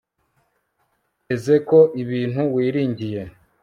teze ko ibintu wiringiye